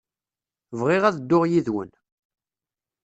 Bɣiɣ ad dduɣ yid-wen.